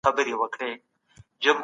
پسته وینه جوړوي.